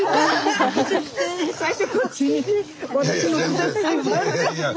最初こっちで。